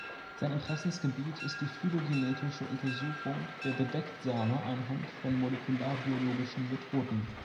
Sein Interessengebiet ist die phylogenetische Untersuchung der Bedecktsamer anhand von molekularbiologischen Methoden.